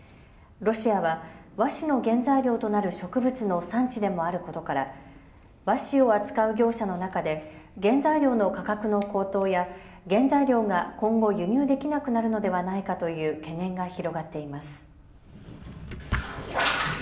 ロシアは和紙の原材料となる植物の産地でもあることから和紙を扱う業者の中で原材料の価格の高騰や原材料が今後、輸入できなくなるのではないかという懸念が広がっています。